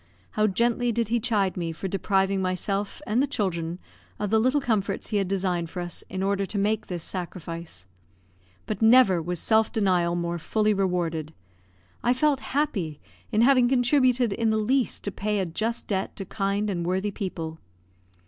How gently did he chide me for depriving myself and the children of the little comforts he had designed for us, in order to make this sacrifice. But never was self denial more fully rewarded; I felt happy in having contributed in the least to pay a just debt to kind and worthy people.